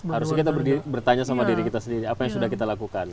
harusnya kita bertanya sama diri kita sendiri apa yang sudah kita lakukan